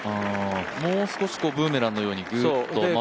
もう少しブーメランのようにぐっと回り込んでくる？